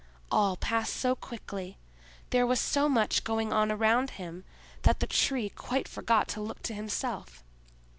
All passed so quickly, there was so much going on around him, that the Tree quite forgot to look to himself.